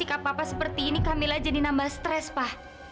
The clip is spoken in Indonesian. tapi sama sikap papa seperti ini kamila jadi nambah stres pa